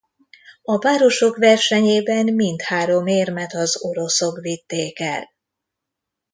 A párosok versenyében mindhárom érmet az oroszok vitték el.